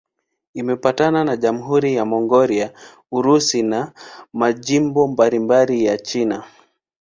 Imepakana na Jamhuri ya Mongolia, Urusi na majimbo mbalimbali ya China.